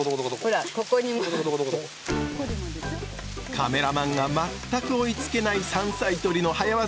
カメラマンが全く追いつけない山菜採りの早業。